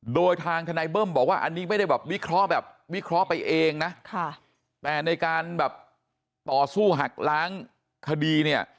โดยทางทนายเบิ้มบอกว่าอันนี้ไม่ได้แบบวิเคราะห์แบบวิเคราะห์ไปเองนะแต่ในการแบบต่อสู้หักล้างคดีเนี่ย